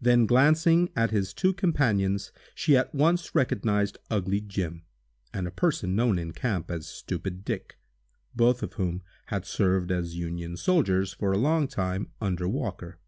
Then glancing at his two companions, she at once recognized "ugly Jim," and a person known in camp as "stupid Dick," both of whom had served as Union soldiers, for a long time, under Walker.